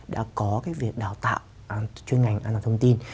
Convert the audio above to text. đã có cái việc đào tạo chuyên ngành an toàn thông tin